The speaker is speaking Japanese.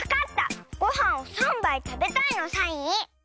ごはんを３ばいたべたいのサイン！